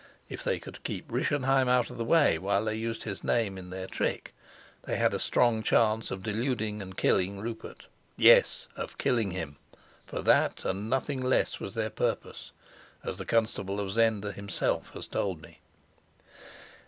If they could keep Rischenheim out of the way while they used his name in their trick, they had a strong chance of deluding and killing Rupert. Yes, of killing him; for that and nothing less was their purpose, as the constable of Zenda himself has told me.